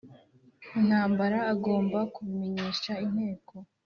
Intambara agomba kubimenyesha Inteko